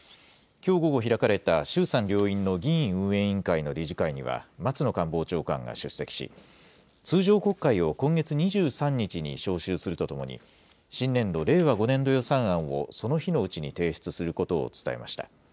きょう午後、開かれた衆参両院の議院運営委員会の理事会には、松野官房長官が出席し、通常国会を今月２３日に召集するとともに、新年度・令和５年度予算案をその日のうちに提出することを伝えました。